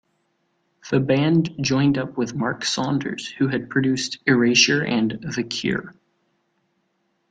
The band joined up with Mark Saunders, who had produced Erasure and The Cure.